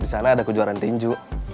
di sana ada kejuaraan tinju